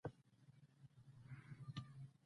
بې نسخي درمل مه کاروی